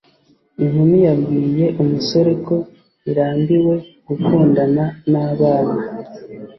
inkumi yabwiye umusore ko irambiwe gukundana n’abana